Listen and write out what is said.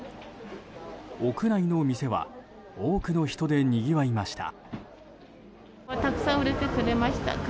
屋内の店は多くの人でにぎわいました。